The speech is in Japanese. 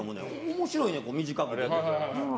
面白ねん、短くて。